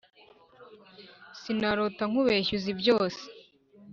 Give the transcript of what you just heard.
sinarota nkubeshya uzi byose